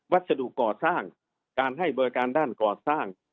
ดุก่อสร้างการให้บริการด้านก่อสร้าง